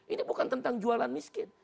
ini bukan tentang jualan miskin